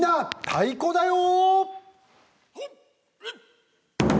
太鼓だよ」。